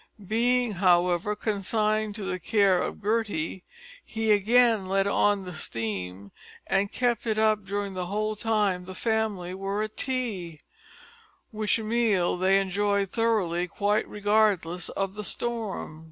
Being, however, consigned to the care of Gertie he again let on the steam and kept it up during the whole time the family were at tea which meal they enjoyed thoroughly, quite regardless of the storm.